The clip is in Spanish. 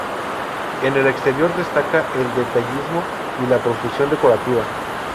En el exterior, destaca el detallismo y la profusión decorativa.